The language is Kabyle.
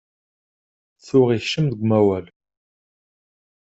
Tuɣ ikcem deg umawal.